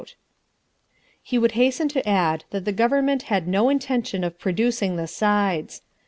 He would hasten to add that the Government had no intention of producing the sides.